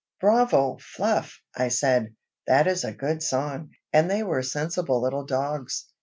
"Bravo! Fluff," I said. "That is a good song, and they were sensible little dogs.